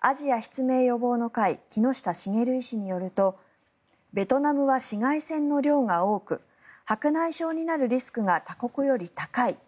アジア失明予防の会木下茂医師によるとベトナムは紫外線の量が多く白内障になるリスクが他国より高い。